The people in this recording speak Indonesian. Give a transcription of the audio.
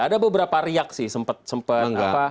ada beberapa riak sih sempat